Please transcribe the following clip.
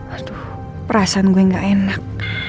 aduh perasaan gue gak enak